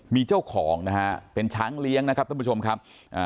มีเจ้าของนะฮะเป็นช้างเลี้ยงนะครับท่านผู้ชมครับอ่า